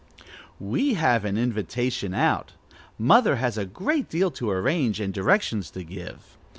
"We have an invitation out. Mother has a great deal to arrange, and directions to give.